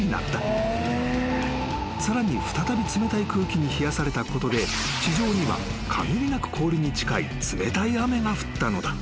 ［さらに再び冷たい空気に冷やされたことで地上には限りなく氷に近い冷たい雨が降ったのだ］